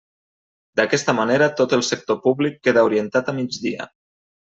D'aquesta manera tot el sector públic queda orientat al migdia.